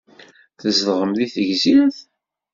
Tzedɣem deg Tegzirt?